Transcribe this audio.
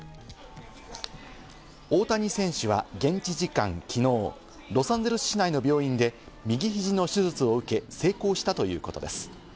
大谷選手は現地時間きのう、ロサンゼルス市内の病院で右肘の手術を受け、成功したということです。